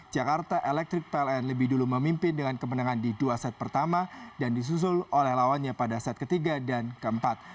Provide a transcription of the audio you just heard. jakarta electric pln lebih dulu memimpin dengan kemenangan di dua set pertama dan disusul oleh lawannya pada set ketiga dan keempat